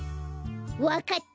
わかった！